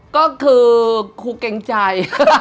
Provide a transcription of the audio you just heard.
ก็คือครูเกรงใจ